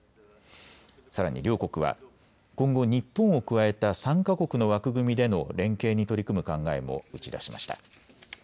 さらに両国は今後、日本を加えた３か国の枠組みでの連携に取り組む考えも打ち出しました。